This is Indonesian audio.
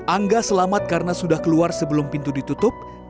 angga selamat karena sudah keluar sebelum pintu ditutup